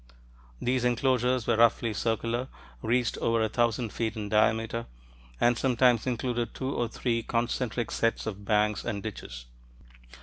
These enclosures were roughly circular, reached over a thousand feet in diameter, and sometimes included two or three concentric sets of banks and ditches.